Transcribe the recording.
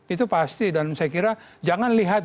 itu pasti dan saya kira jangan lihat